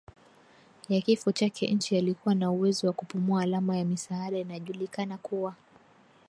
ya kifo chake nchi alikuwa na uwezo wa kupumua alama ya misaada Inajulikana kuwa